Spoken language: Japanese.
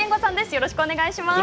よろしくお願いします。